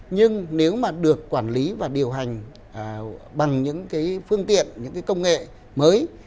nhưng nếu mà được quản lý và điều hành bằng những phương tiện những công nghệ mới